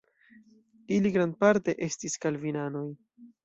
Ili grandparte estis kalvinanoj.